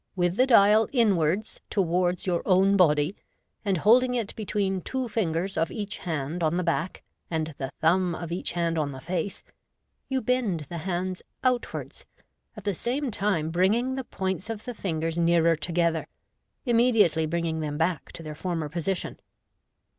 101), with the dial inwards towards your own body, and holding it between two fingers of each hand on the back, and the thumb of each hand on the face, you bend the hands outwards, at the same time bringing the points of the fingers nearei together, immediately bringing them back to their former position.